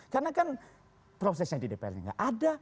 karena kan prosesnya di dpr nya gak ada